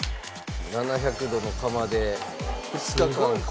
７００度の窯で２日間かけて。